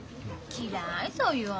嫌いそういう女。